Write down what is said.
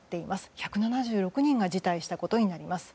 １７６人が辞退したことになります。